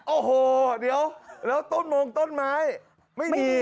โอ้โหเดี๋ยวแล้วต้นมงต้นไม้ไม่มี